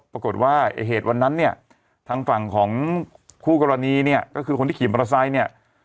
ปกติยังไม่มีอะไร